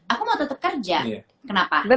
aku mau tetap kerja kenapa